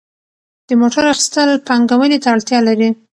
د موټر اخیستل پانګونې ته اړتیا لري.